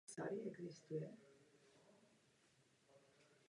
Musí být rovněž posílena pozice akcionářů.